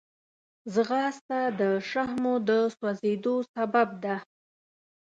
ځغاسته د شحمو د سوځېدو سبب ده